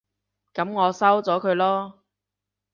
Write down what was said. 噉我收咗佢囉